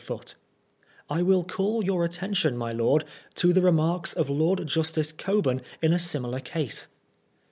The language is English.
Foote : I will call your attention, my lord, to the remarks of Lord Justice Cockbum id a similar case.